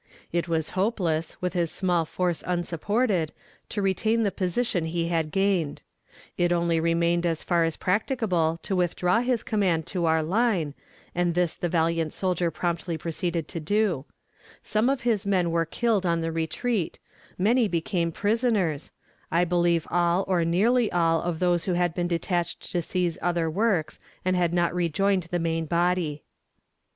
It was hopeless, with his small force unsupported, to retain the position he had gained. It only remained as far as practicable to withdraw his command to our line, and this the valiant soldier promptly proceeded to do; some of his men were killed on the retreat, many became prisoners I believe all, or nearly all, of those who had been detached to seize other works, and had not rejoined the main body.